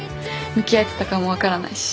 向き合えてたかも分からないし。